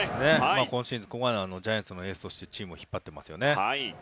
今シーズン、ここまでのジャイアンツのエースとしてチームを引っ張っていますね。